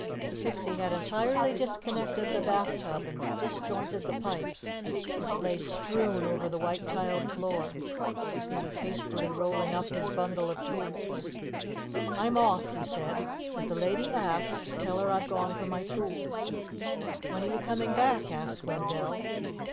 The Pixie had entirely disconnected the bath tub and disjointed the pipes, which lay strewn over the white tiled floor. He was hastily rolling up his bundle of tools. "I'm off," he said. "If the lady asks, tell her I've gone for my tools." "When are you coming back?" asked Wendell.